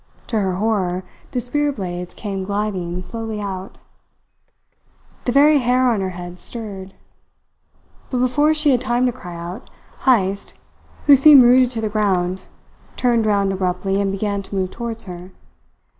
To her horror, the spear blades came gliding slowly out. The very hair on her head stirred; but before she had time to cry out, Heyst, who seemed rooted to the ground, turned round abruptly and began to move towards her.